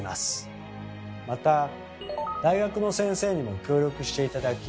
また大学の先生にも協力して頂き